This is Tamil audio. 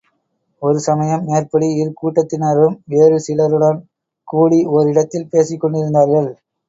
ஒரு சமயம், மேற்படி இரு கூட்டத்தினரும், வேறு சிலருடன் கூடி ஓர் இடத்தில் பேசிக் கொண்டிருந்தார்கள்.